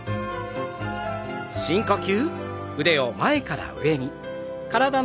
深呼吸。